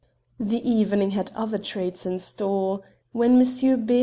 The evening had other treats in store; when Monsieur B.